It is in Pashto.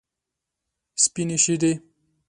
سپینې شیدې.